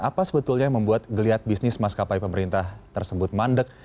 apa sebetulnya yang membuat geliat bisnis maskapai pemerintah tersebut mandek